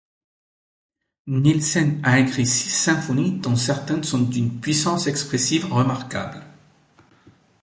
Nielsen a écrit six symphonies dont certaines sont d'une puissance expressive remarquable.